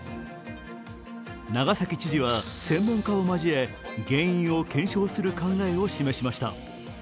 長崎知事は専門家を交え原因を検証する考えを示しました。